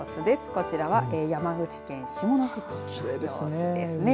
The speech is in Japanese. こちらは山口県下関市の様子ですね。